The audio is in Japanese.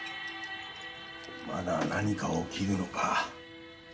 まだ何か起きるのか。